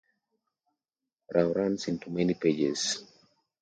Rao runs into many pages.